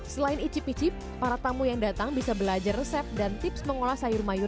selain icip icip para tamu yang datang bisa belajar resep dan tips mengolah sayur mayur